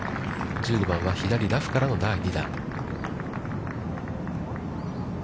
１５番は左ラフからの第２打。